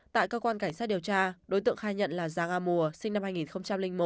tại cơ quan cảnh sát điều tra đối tượng khai nhận là giàng a mùa sinh năm hai nghìn một